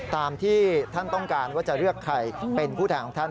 ตามที่ท่านต้องการว่าจะเลือกใครเป็นผู้แทนของท่าน